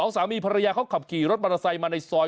สามีภรรยาเขาขับขี่รถมอเตอร์ไซค์มาในซอย